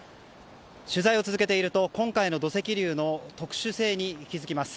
取材を続けていると今回の土石流の特殊性に気づきます。